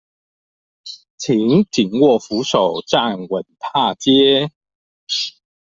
請緊握扶手站穩踏階